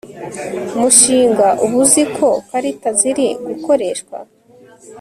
mushinga Ubu izo karita ziri gukoreshwa